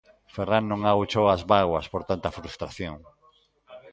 Ferran non agochou as bágoas por tanta frustración.